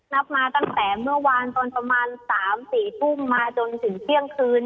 นับมาตั้งแต่เมื่อวานตอนประมาณ๓๔ทุ่มมาจนถึงเที่ยงคืน